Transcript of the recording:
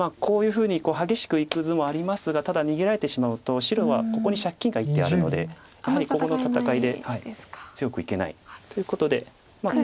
こういうふうに激しくいく図もありますがただ逃げられてしまうと白はここに借金が１手あるのでやはりここの戦いで強くいけない。ということで。